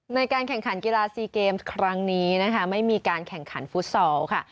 ในการแข่งขันกีฬาซีเกมส์ครั้งนี้นะคะไม่มีการแข่งขันฟุตซอลค่ะ